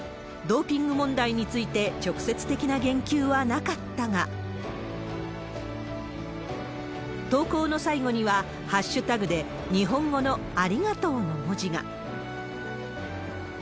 ドーピング問題について、直接的な言及はなかったが、投稿の最後には、ハッシュタグで、日本語のありがとうの文字が。